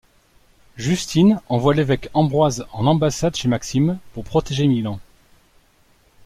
Justine envoie l'évêque Ambroise en ambassade chez Maxime pour protéger Milan.